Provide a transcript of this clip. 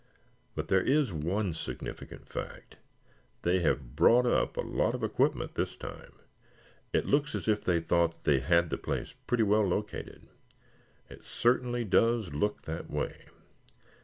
But there is one significant fact. They have brought up a lot of equipment this time. It looks as if they thought they had the place pretty well located. It certainly does look that way.